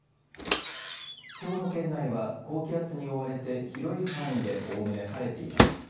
きょうの県内は高気圧に覆われて広い範囲でおおむね晴れています。